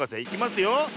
いきますよ。